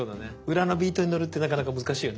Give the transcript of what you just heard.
裏のビートに乗るってなかなか難しいよね。